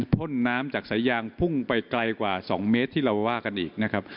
พ่นน้ำจากสายางพุ่งไปไกลกว่า๒เมตรที่เราว่ากันอีกนะครับ